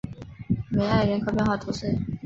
梅埃人口变化图示